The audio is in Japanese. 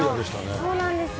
そうなんですよ。